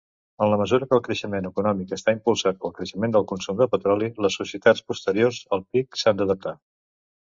En la mesura que el creixement econòmic està impulsat pel creixement del consum de petroli, les societats posteriors al pic s'han d'adaptar.